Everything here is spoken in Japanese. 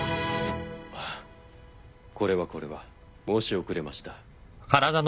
あっこれはこれは申し遅れました。